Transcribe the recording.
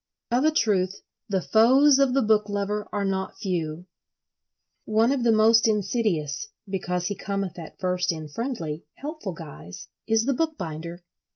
Of a truth, the foes of the book lover are not few. One of the most insidious, because he cometh at first in friendly, helpful guise, is the bookbinder.